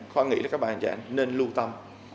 khoan nghĩ là các bạn trẻ nên lưu tâm